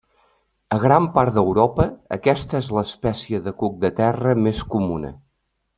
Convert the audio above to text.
A gran part d'Europa aquesta és l'espècie de cuc de terra més comuna.